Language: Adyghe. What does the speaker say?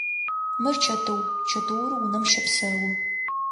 Мыр чэтыу, чэтыур унэм щэпсэу.